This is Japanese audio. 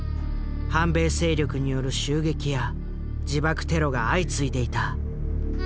反米勢力による襲撃や自爆テロが相次いでいた。